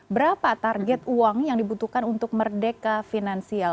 berapa target uang yang dibutuhkan untuk merdeka finansial